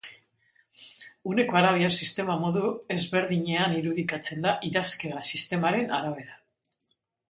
Uneko arabiar sistema modu ezberdinean irudikatzen da idazkera sistemaren arabera.